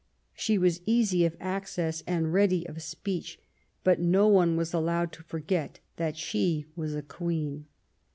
She was easy of access and ready of speech, but no one was allowed to forget that she was a Queen.